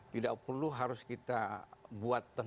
tidak perlu harus kita buat terima terima